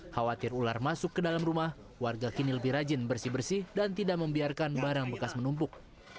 khawatir ular masuk ke dalam rumah warga kini lebih rajin bersih bersih dan tidak membiarkan barang bekas menumpuk